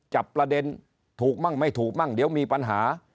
จับประเด็นถูกมั่งไม่ถูกมั่งเดี๋ยวมีปัญหา